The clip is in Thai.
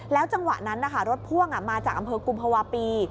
แล้วจังหวะนั้นรถพ่วงมาจากกันอำเมอร์กุมภาวะปี